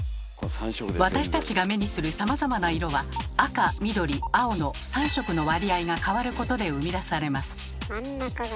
私たちが目にするさまざまな色は赤緑青の３色の割合が変わることで生み出されます。